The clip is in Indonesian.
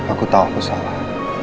aku tahu aku salah